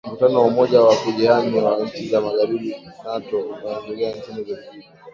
mkutano wa umoja wa kujihami wa nchi za magharibi nato unaendelea nchini ubelgiji